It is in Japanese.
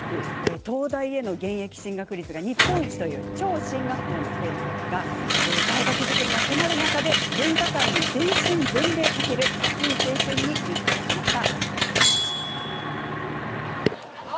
東大への現役進学率が日本一という超進学校の生徒たちが大学受験が迫る中で文化祭に全身全霊を懸ける熱い青春に密着しました。